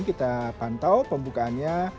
kita pantau pembukaannya